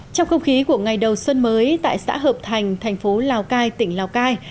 trong không khí của ngày đầu xuân mới tại xã hợp thành thành phố lào cai tỉnh lào cai